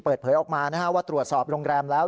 เปิดเผยออกมาว่าตรวจสอบโรงแรมแล้ว